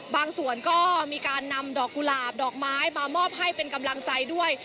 บางส่วนก็มีการนำดอกกุหลาบดอกไม้มามอบให้เป็นกำลังใจด้วย